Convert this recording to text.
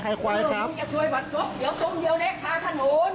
ใครควายครับอย่าช่วยบัตรปุ๊บเดี๋ยวตูมเดี๋ยวเนี้ย